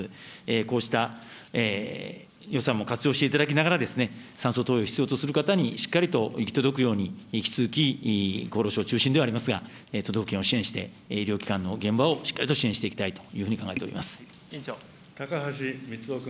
こうした予算も活用していただきながら、酸素投与を必要とする方にしっかりと行き届くように、引き続き厚労省中心ではありますが、都道府県を支援して、医療機関の現場をしっかりと支援していきた高橋光男君。